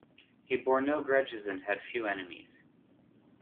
He bore no grudges and had few enemies.